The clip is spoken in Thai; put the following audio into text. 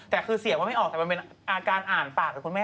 แต่คือเสียงมันไม่ออกแต่มันเป็นอาการอ่านปากนะคุณแม่